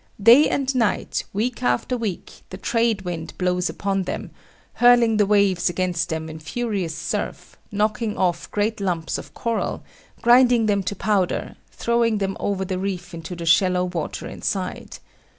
Day and night, week after week, the trade wind blows upon them, hurling the waves against them in furious surf, knocking off great lumps of coral, grinding them to powder, throwing them over the reef into the shallow water inside.